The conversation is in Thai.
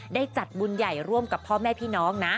ได้จัดบุญใหญ่ร่วมกับพ่อแม่พี่น้องนะ